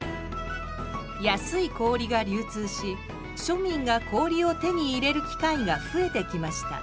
安い氷が流通し庶民が氷を手に入れる機会が増えてきました。